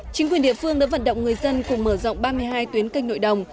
chính quyền địa phương đã vận động người dân cùng mở rộng ba mươi hai tuyến canh nội đồng